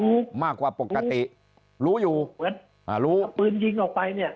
บู๋มากกว่าปกติรู้อยู่เปิดหลูกฟื้นยิงออกไปเนี่ย